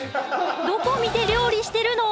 どこ見て料理してるの？